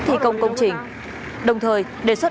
thi công công trình đồng thời đề xuất